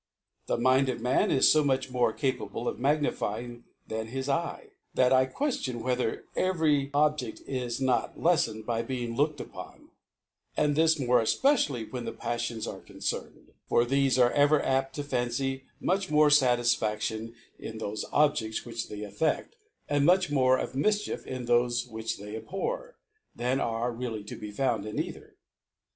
The Mind •of Man is fo much more capable of magni fying than his Eye, that I qucftign whether K every ( '94 ) every Objcd is not leflencd by being lobk cd upon; and this more efpecially when the Paflions are concerned : for thefe are ever apt to fancy much more Satisfadion in tbofe Objcds which they afftft, and liiuch more of Mifchief in thofe which they ab hor, than are really to be found in ei ther.